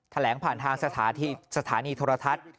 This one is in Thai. แถลงผ่านทางสถานีโทรทัศน์